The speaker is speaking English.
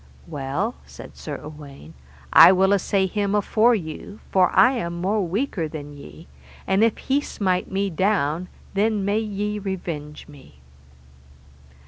Well, said Sir Uwaine, I will assay him afore you, for I am more weaker than ye, and if he smite me down then may ye revenge me.